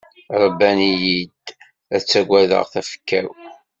Ṛebban-iyi-d ad ttaggadeɣ tafekka-w.